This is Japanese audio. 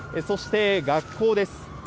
そして、学校です。